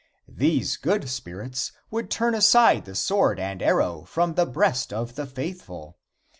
These good spirits would turn aside the sword and arrow from the breast of the faithful.